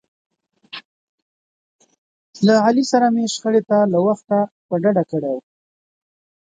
له علي سره مې شخړې ته له وخته په ډډه کړي و.